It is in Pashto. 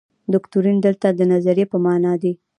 دوکتورین دلته د نظریې په معنا دی.